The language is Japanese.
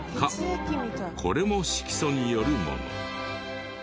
これも色素によるもの。